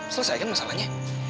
selesai kan masalahnya